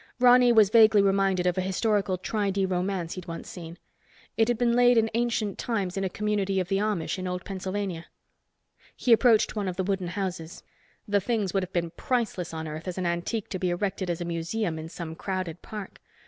Ronny was vaguely reminded of a historical Tri Di romance he'd once seen. It had been laid in ancient times in a community of the Amish in old Pennsylvania. He approached one of the wooden houses. The things would have been priceless on Earth as an antique to be erected as a museum in some crowded park.